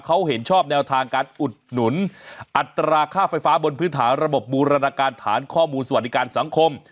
เขาเห็นชอบแนวทางการอุดหนุนอัตราค่าไฟฟ้าบนพื้นฐานระบบบูรณาการฐานข้อมูลสวัสดิการสังคม